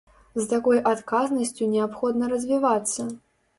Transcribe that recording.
З такой адказнасцю неабходна развівацца!